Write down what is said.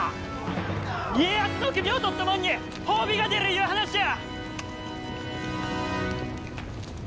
家康の首を取ったもんに褒美が出るいう話や！